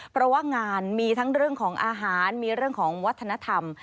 เพราะว่างานมีทั้งเรื่องของอาหารมีเรื่องของวัฒนธรรม